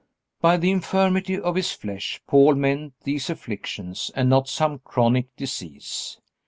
By the infirmity of his flesh Paul meant these afflictions and not some chronic disease.